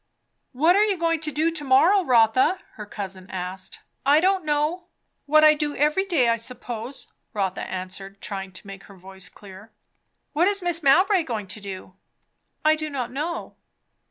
"What are you going to do to morrow, Rotha?" her cousin asked. "I don't know. What I do every day, I suppose," Rotha answered, trying to make her voice clear. "What is Mrs. Mowbray going to do?" "I do not know."